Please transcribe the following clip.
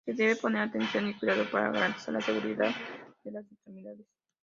Se debe poner atención y cuidado para garantizar la seguridad de las extremidades.